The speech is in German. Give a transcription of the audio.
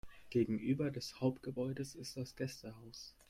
Gegenüber des Hauptgebäudes ist das Gästehaus.